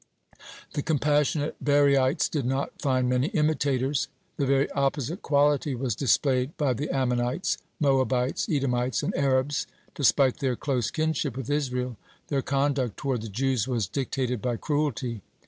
(48) The compassionate Bariites did not find many imitators. The very opposite quality was displayed by the Ammonites, Moabites, Edomites, and Arabs. Despite their close kinship with Israel, their conduct toward the Jews was dictated by cruelty.